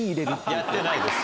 やってないです。